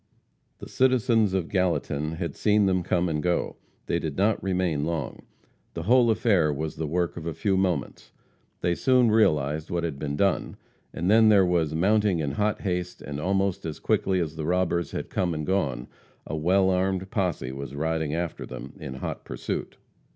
The citizens of Gallatin had seen them come and go. They did not remain long. The whole affair was the work of a few moments. They soon realized what had been done, and then there was mounting in hot haste, and almost as quickly as the robbers had come and gone, a well armed posse was riding after them in hot pursuit.